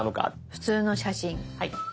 普通の写真。